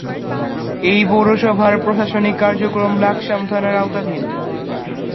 এ পৌরসভার প্রশাসনিক কার্যক্রম লাকসাম থানার আওতাধীন।